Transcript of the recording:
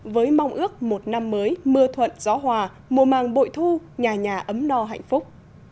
với mong ước một năm mới mưa thuận gió hòa mùa màng bội thu nhà nhà ấm no hạnh phúc